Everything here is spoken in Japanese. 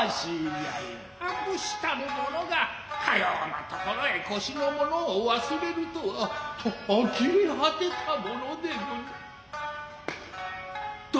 ああ武士たる者が斯様なところへ腰のものを忘れるとはあきれ果てたものでござい。